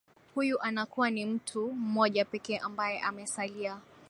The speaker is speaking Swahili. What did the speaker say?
huyu anakuwa ni mtuu moja pekee ambaye amesalia